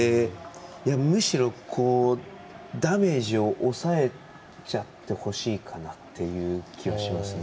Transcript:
むしろ、ダメージを抑えちゃってほしいかなっていう気はしますね。